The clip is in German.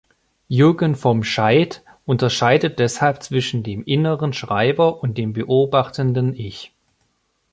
Jürgen vom Scheidt unterscheidet deshalb zwischen dem "inneren Schreiber" und dem "beobachtenden Ich".